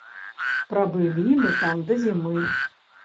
Прабылі мы там да зімы.